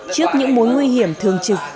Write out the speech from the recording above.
trước những mối nguy hiểm thường trực